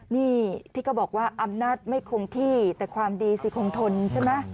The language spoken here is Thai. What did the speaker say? นี่ที่เขาบอกว่าอำนาจไม่คงที่แต่ความดีสิคงทนใช่ไหม